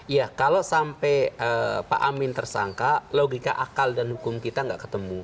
iya kalau sampai pak amin tersangka logika akal dan hukum kita nggak ketemu